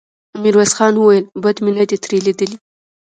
ميرويس خان وويل: بد مې نه دې ترې ليدلي.